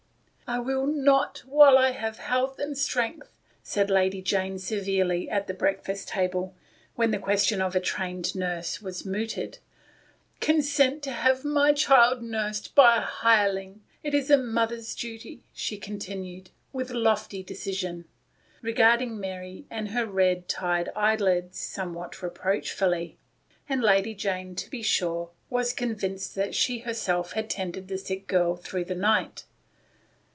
"I will not, while I have health and strength," said Lady Jane severely at the breakfast table, when the question of a trained nurse was mooted, " consent to have my child nursed by a hireling. It is a mother's duty," she continued, with lofty decision, regarding Mary and her red, tired eyelids somewhat reproachfully. And Lady Jane, to be sure, was convinced that she her self had tended the sick girl through the night.